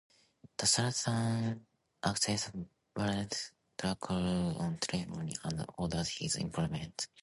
The sultan accused Vlad Dracul of treachery and ordered his imprisonment.